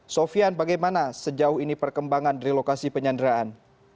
sofian bagaimana sejauh ini perkembangan dari lokasi penyanderaan